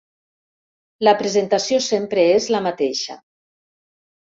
La presentació sempre és la mateixa.